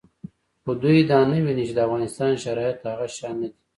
خو دوی دا نه ویني چې د افغانستان شرایط هغه شان نه دي